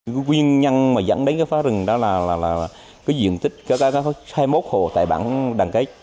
nguyên nhân mà dẫn đến phá rừng đó là diện tích hai mươi một hộ tại bảng đằng cách